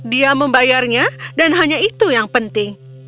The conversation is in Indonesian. dia membayarnya dan hanya itu yang penting